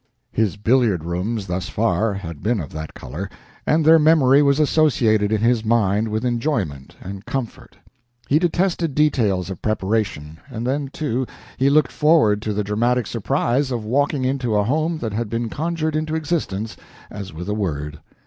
His billiard rooms thus far had been of that color, and their memory was associated in his mind with enjoyment and comfort. He detested details of preparation, and then, too, he looked forward to the dramatic surprise of walking into a home that had been conjured into existence as with a word.